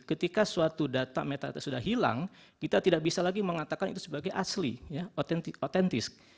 ketika suatu data metalitas sudah hilang kita tidak bisa lagi mengatakan itu sebagai asli otentis